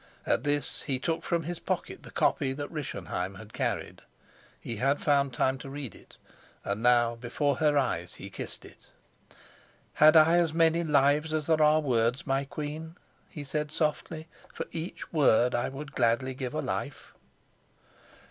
At this he took from his pocket the copy that Rischenheim had carried. He had found time to read it, and now before her eyes he kissed it. "Had I as many lives as there are words, my queen," he said softly, "for each word I would gladly give a life."